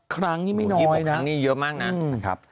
๒๖ครั้งนี้ไม่น้อยนี่เยอะมากนะ